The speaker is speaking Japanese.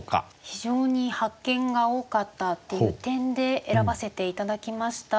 非常に発見が多かったっていう点で選ばせて頂きました。